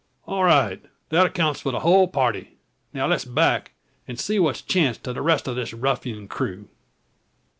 "All right! That accounts for the hul party. Now let's back, and see what's chanced to the rest o' this ruffin crew.